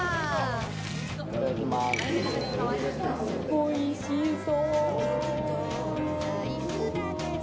おいしそう。